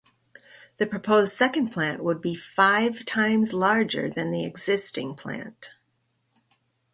The proposed second plant would be five times larger than the existing plant.